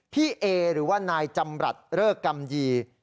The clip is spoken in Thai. พี่เอหรือว่านายจำรัฐเริกกำยี